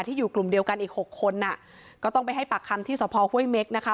อยู่กลุ่มเดียวกันอีกหกคนอ่ะก็ต้องไปให้ปากคำที่สภห้วยเม็กนะคะ